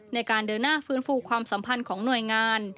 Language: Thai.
ในการเดินหน้าฟื้นฟูความสัมพันธ์ของหน่วยงาน